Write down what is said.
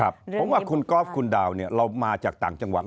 เพราะว่าคุณกอล์ฟคุณดาวเรามาจากต่างจังหวัด